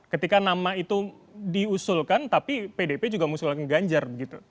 ketika nama itu diusulkan tapi pdp juga musuhkan ganjar